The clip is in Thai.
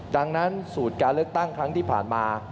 ดังนั้นสูตรการเลือกตั้งครั้งที่ผ่านมา